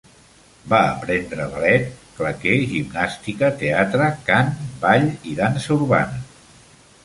Va aprendre ballet, claqué, gimnàstica, teatre, cant, ball i dansa urbana.